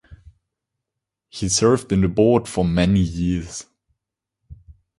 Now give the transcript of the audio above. He served in the board for many years.